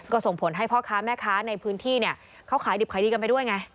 ก็ส่งผลให้พ่อค้าแม่ค้าในพื้นที่เนี่ยเขาขายดิบขายดีกันไปด้วยไง